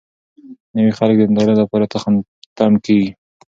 نوي خلک د نندارې لپاره تم کېږي.